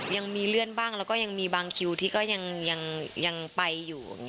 ยังมีเลื่อนบ้างแล้วก็ยังมีบางคิวที่ก็ยังไปอยู่อย่างนี้